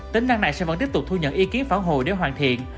tính năng này sẽ vẫn tiếp tục thu nhận ý kiến phản hồi để hoàn thiện